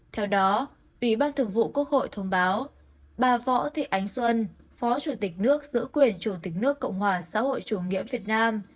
theo đó ủy ban thường vụ quốc hội thông báo bà võ thị ánh xuân phó chủ tịch nước giữ quyền chủ tịch nước cộng hòa xã hội chủ nghĩa việt nam